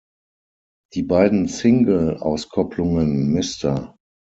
Die beiden Single-Auskopplungen "Mr.